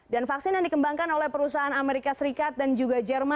dan vaksin yang dikembangkan oleh perusahaan amerika serikat dan juga jerman